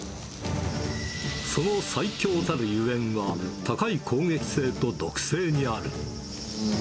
その最強たるゆえんは、高い攻撃性と毒性にある。